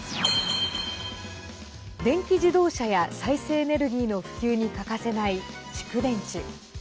電気自動車や再生エネルギーの普及に欠かせない蓄電池。